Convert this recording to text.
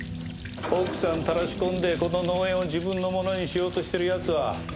奥さんたらし込んでこの農園を自分のものにしようとしてる奴は。